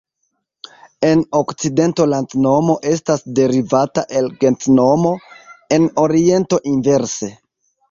En okcidento landnomo estas derivata el gentnomo; en oriento inverse.